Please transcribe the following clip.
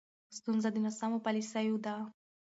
ستونزه د ناسمو پالیسیو ده.